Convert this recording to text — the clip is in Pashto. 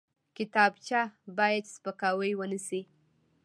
کتابچه باید سپکاوی ونه شي